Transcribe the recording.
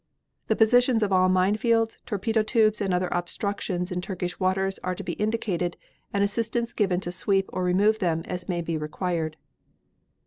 The positions of all mine fields, torpedo tubes and other obstructions in Turkish waters are to be indicated, and assistance given to sweep or remove them, as may be required.